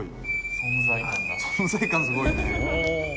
存在感すごいですね。